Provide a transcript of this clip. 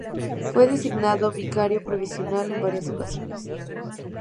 Fue designado vicario provincial en varias ocasiones.